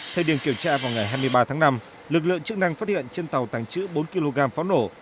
thời điểm kiểm tra vào ngày hai mươi ba tháng năm lực lượng chức năng phát hiện trên tàu tàng trữ bốn kg pháo nổ